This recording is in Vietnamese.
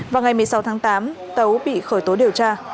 vào ngày một mươi sáu tháng tám tấu bị khởi tố điều tra